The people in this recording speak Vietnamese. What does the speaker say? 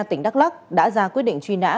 tỉnh đắk lắc đã ra quyết định truy nã